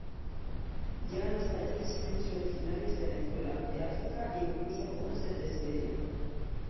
Llegan hasta allí especies originarias de Venezuela, de África e incluso algunas desde Siberia.